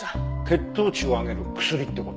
血糖値を上げる薬って事？